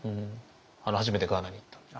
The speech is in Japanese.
初めてガーナに行ったんです。